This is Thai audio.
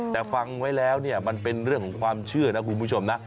แต่ฟังไว้แล้วเนี่ยมันเป็นเรื่องของความเชื่อนะคุณผู้ชมนะ